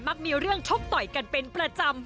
มีเรื่องชกต่อยกันเป็นประจำ